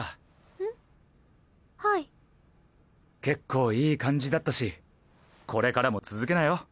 結構いい感じだったしこれからも続けなよ。